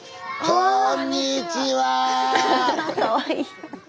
こんにちは。